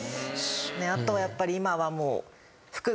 あとやっぱり今はもう。